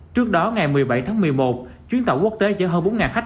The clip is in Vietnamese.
trước đó ngày một mươi bảy tháng một mươi một chuyến tàu quốc tế chở hơn bốn khách